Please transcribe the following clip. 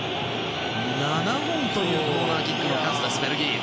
７本というコーナーキックの数ベルギー。